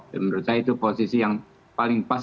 menurut saya itu posisi yang paling pas